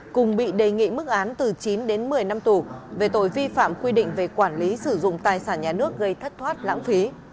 cùng bị đề nghị mức án từ chín đến một mươi năm tù về tội vi phạm quy định về quản lý sử dụng tài sản nhà nước gây thất thoát lãng phí